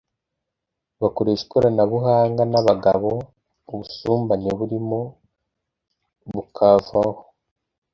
bakoresha ikoranabuhanga bangana n’ abagabo ubusumbane burimo bukavaho